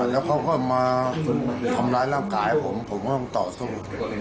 แล้วเขาก็มาทำร้ายร่างกายผมผมก็ต้องต่อสู้